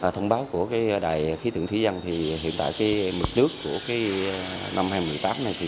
thông báo của đài khí tượng thí dân thì hiện tại mực nước của năm hai nghìn một mươi tám này